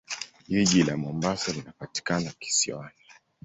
Jiji la Mombasa linapatikana kisiwani.